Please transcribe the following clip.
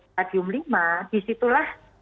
stadium lima disitulah